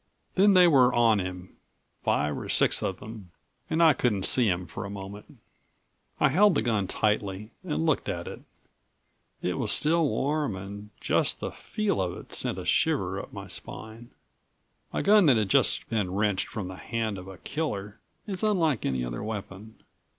Then they were on him, five or six of them, and I couldn't see him for a moment. I held the gun tightly and looked at it. It was still warm and just the feel of it sent a shiver up my spine. A gun that has just been wrenched from the hand of a killer is unlike any other weapon.